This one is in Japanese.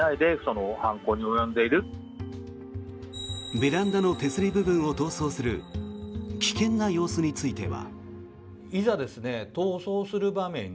ベランダの手すり部分を逃走する危険な様子については。